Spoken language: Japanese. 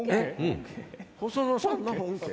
細野さんの本家？